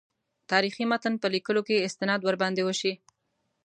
تاریخي متن په لیکلو کې استناد ورباندې وشي.